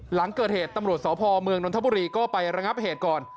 หลังเกิดเหตุตำรวจสพเมืองนนทบุรีก็ไประงับเหตุก่อน